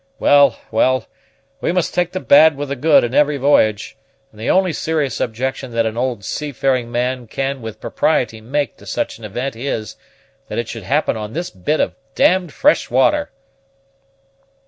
Well, well! we must take the bad with the good in every v'y'ge; and the only serious objection that an old seafaring man can with propriety make to such an event is, that it should happen on this bit of d d fresh water."